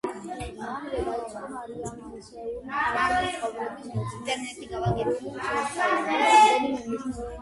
კონცერტი, რომელსაც იგი ასახავს, დღემდე ითვლება მარლის ერთ-ერთ ცნობილ გამოსვლად.